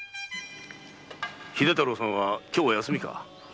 秀太郎さんは今日は休みか？